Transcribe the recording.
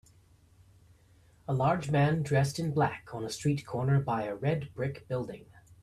A large man dressed in black on a street corner by a red brick building.